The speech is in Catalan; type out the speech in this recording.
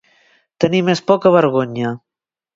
Tenir més por que vergonya.